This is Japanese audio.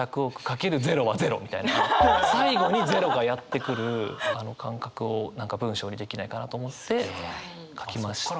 最後にゼロがやって来るあの感覚を何か文章にできないかなと思って書きました。